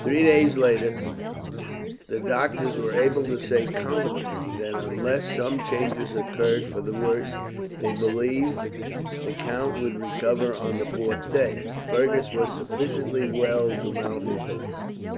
Three days later the doctors were able to say confidently that, unless some change occurred for the worse, they believed the count would recover. On the fourth day, Fergus was sufficiently well to mount his horse.